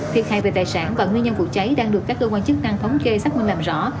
thiệt hại về tài sản và nguyên nhân vụ cháy đang được các cơ quan chức năng thống kê xác minh làm rõ